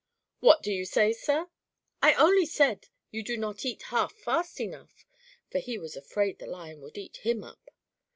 "What do you say, sir?" "I only said you do not eat half fast enough," for he was afraid the Lion would eat him up.